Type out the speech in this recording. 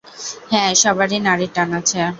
হ্যাঁ, সবারই নাড়ীর টান আছে।